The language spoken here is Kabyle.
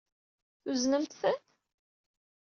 Tuznemt-ten?